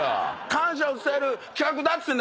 感謝を伝える企画だから。